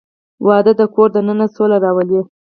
• واده د کور دننه سوله راولي.